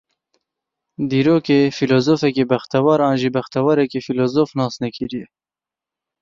Dîrokê, fîlozofekî bextewar an jî bextewarekî fîlozof nas nekiriye.